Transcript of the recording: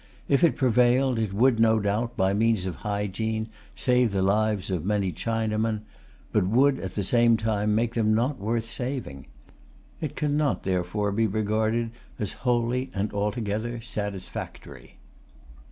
If it prevailed it would, no doubt, by means of hygiene, save the lives of many Chinamen, but would at the same time make them not worth saving. It cannot therefore be regarded as wholly and altogether satisfactory.